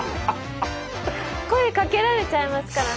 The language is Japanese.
声かけられちゃいますからね。